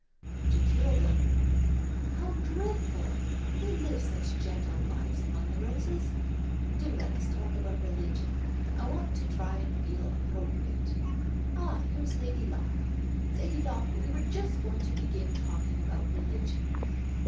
"To kill them." "How dreadful! They live such gentle lives among the roses. Do let us talk about religion. I want to try and feel appropriate. Ah! here is Lady Locke. Lady Locke, we were just going to begin talking about religion."